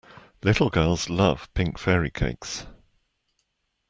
Little girls love pink fairy cakes.